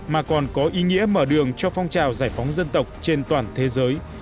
mà còn có ý nghĩa mở đường cho phong trào giải phóng dân tộc trên toàn thế giới